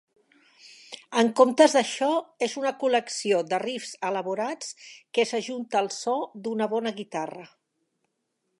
En comptes d'això, és una col·lecció de riffs elaborats que s'ajunta al so d'una bona guitarra.